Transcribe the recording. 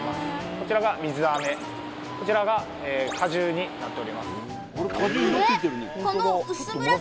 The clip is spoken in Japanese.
こちらが水飴こちらが果汁になっております